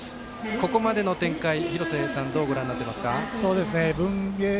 ここまでの展開、廣瀬さんはどうご覧になっていますか。